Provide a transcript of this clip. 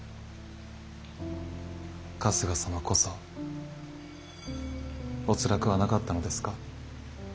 春日様こそおつらくはなかったのですか？